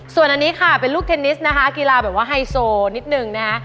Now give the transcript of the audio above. ส่วนอันนี้ค่ะเป็นลูกเทนนิสนะคะกีฬาแบบว่าไฮโซนิดนึงนะคะ